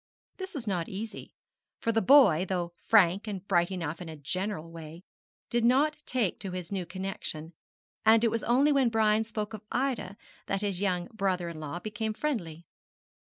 This was not easy, for the boy, though frank and bright enough in a general way, did not take to his new connexion: and it was only when Brian spoke of Ida that his young brother in law became friendly.